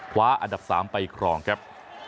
คว้าอันดับ๓ไปครองครับ